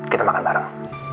kita makan bareng